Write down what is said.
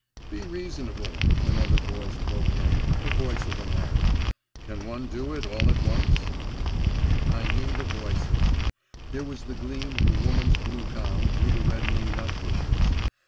'Be reasonable,' another voice broke in, the voice of a man. 'Can one do it all at once?' I knew the voices. There was the gleam of a woman's blue gown through the reddening nut bushes.